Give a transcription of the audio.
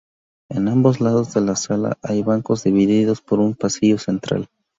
En ambos lados de la sala, hay bancos, divididos por un pasillo central.